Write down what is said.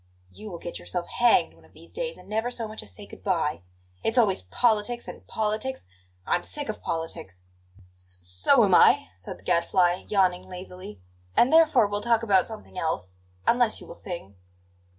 You will get yourself hanged one of these days, and never so much as say good bye. It's always politics and politics I'm sick of politics!" "S so am I," said the Gadfly, yawning lazily; "and therefore we'll talk about something else unless you will sing."